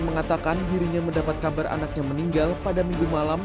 mengatakan dirinya mendapat kabar anaknya meninggal pada minggu malam